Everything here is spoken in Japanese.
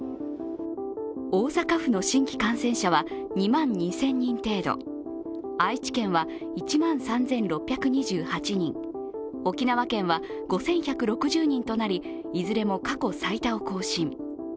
大阪府の新規感染者は２万２０００人程度、愛知県は１万３６２８人、沖縄県は５１６０人となりいずれも過去最多を更新。